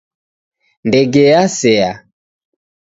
Ndege yasea.